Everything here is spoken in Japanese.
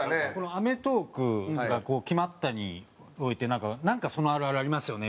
『アメトーーク』がこう決まったにおいて「なんかそのあるあるありますよね」